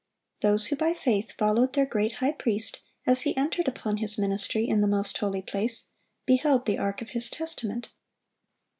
Those who by faith followed their great High Priest, as He entered upon His ministry in the most holy place, beheld the ark of His testament.